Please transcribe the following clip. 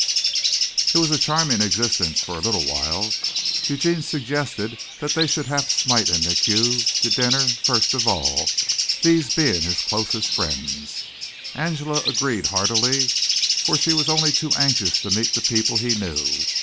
It was a charming existence for a little while. Eugene suggested that they should have Smite and MacHugh to dinner first of all, these being his closest friends. Angela agreed heartily for she was only too anxious to meet the people he knew.